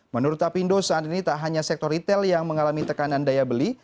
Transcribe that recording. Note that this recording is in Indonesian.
menurut apindo saat ini tak hanya sektor retail yang mengalami tekanan daya beli